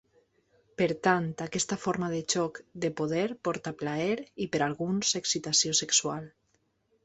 Per tant, aquesta forma de joc de poder porta plaer i, per a alguns, excitació sexual.